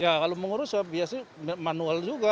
kalau mengurus biasanya manual juga